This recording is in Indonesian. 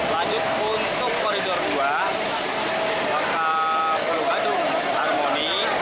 lanjut untuk koridor dua ke pulau gadung harmoni